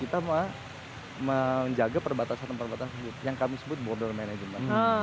kita menjaga perbatasan perbatasan tersebut yang kami sebut border management